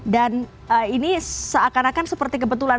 dan ini seakan akan seperti kebetulan